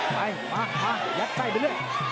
ไปมามายัดใจเป็นเรื่อง